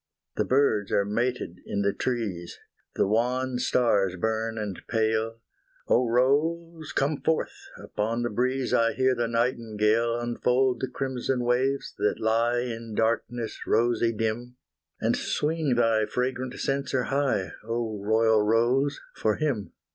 The birds are mated in the trees, The wan stars burn and pale Oh Rose, come forth! upon the breeze I hear the nightingale Unfold the crimson waves that lie In darkness rosy dim, And swing thy fragrant censer high, Oh royal Rose for him!